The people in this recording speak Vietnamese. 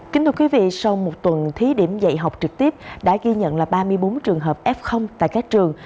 kính thưa quý vị sau một tuần thí điểm dạy học trực tiếp đã ghi nhận ba mươi bốn trường hợp f tại các trường